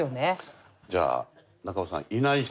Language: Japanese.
じゃあ中尾さん「いない人」